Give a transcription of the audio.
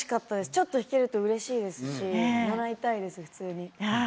ちょっと弾けるとうれしいですし習いたいです、普通に。